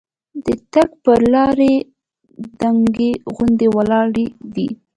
د تګ پر لارې دنګې غونډۍ ولاړې دي.